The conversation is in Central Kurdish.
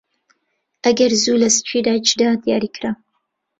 ئەگەر زوو لەسکی دایکدا دیاریکرا